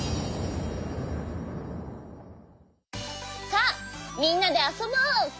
さあみんなであそぼう！